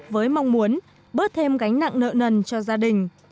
với mong muốn bớt thêm gánh nặng nợ nần cho gia đình